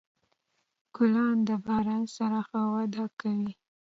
ګلان د باران سره ښه وده کوي.